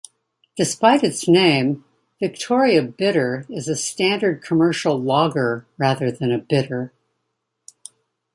Despite its name, Victoria Bitter is a standard commercial lager rather than a bitter.